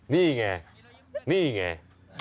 นี่ไงนี่ไง